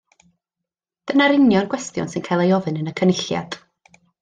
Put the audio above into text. Dyna'r union gwestiwn sy'n cael ei ofyn yn y Cynulliad